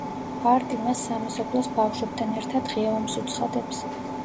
ბარტი მას სამეზობლოს ბავშვებთან ერთად ღია ომს უცხადებს.